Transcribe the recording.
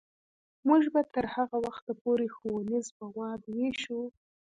موږ به تر هغه وخته پورې ښوونیز مواد ویشو.